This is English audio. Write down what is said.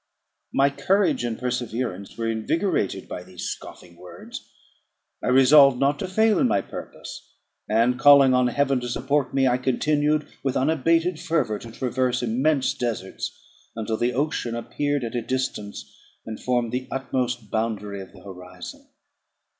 My courage and perseverance were invigorated by these scoffing words; I resolved not to fail in my purpose; and, calling on Heaven to support me, I continued with unabated fervour to traverse immense deserts, until the ocean appeared at a distance, and formed the utmost boundary of the horizon.